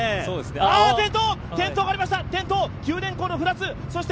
あっ、転倒がありました。